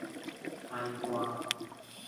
西瓜